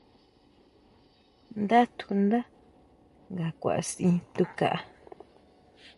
Nda tjundá nga kʼuasin tukaá.